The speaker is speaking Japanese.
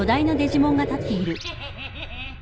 フフフ。